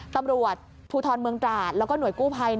ตำรวจภูทรเมืองตราดแล้วก็หน่วยกู้ภัย